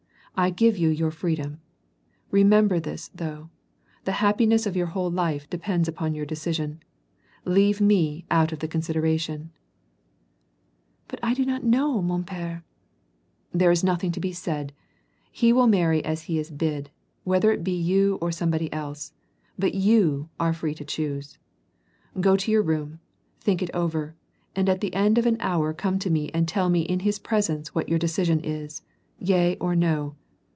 I give you your freedom. Remember this, though, the happiness of your whole life depends upon your decision. Leave me out of the considerar tion;^ " But I do not know, rnon pere." "There's nothing to be said. He will marry as he is bid, whether it be you or soiuel)ody else, but i/ou are free to choose. Go to your room ; think it over, and at the ^nd of an hour come to me and tell me in his presence what your decision is, yea, or no.